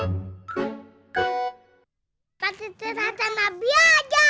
mbak teteh tata nabiah aja